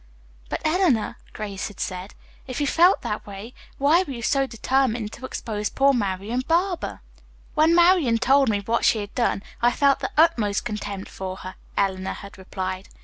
"But, Eleanor," Grace had said, "if you felt that way, why were you so determined to expose poor Marian Barber!" "When Marian told me what she had done I felt the utmost contempt for her," Eleanor had replied.